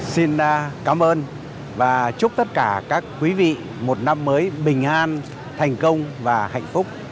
xin cảm ơn và chúc tất cả các quý vị một năm mới bình an thành công và hạnh phúc